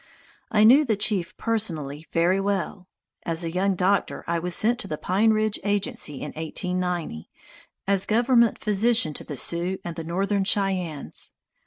I knew the chief personally very well. As a young doctor, I was sent to the Pine Ridge agency in 1890, as government physician to the Sioux and the Northern Cheyennes.